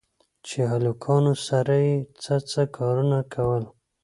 چې هلکانو سره يې څه څه کارونه کول.